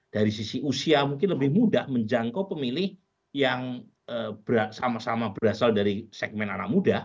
dari sisi usia mungkin lebih mudah menjangkau pemilih yang sama sama berasal dari segmen anak muda